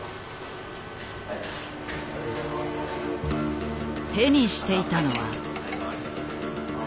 手にしていたのは。